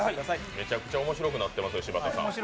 めちゃくちゃ面白くなってますよ、柴田さん。